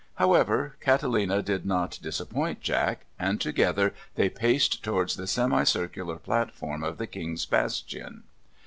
However, Catalina did not disappoint Jack, and together they paced towards the semi circular platform of the King's Bastion.